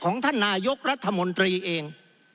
ท่านนายกรัฐมนตรีเอง